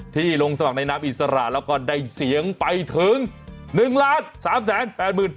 ที่ลงสมัครในน้ำอิสระแล้วก็ได้เสียงไปถึง๑๓๘๖๙๑๕แปด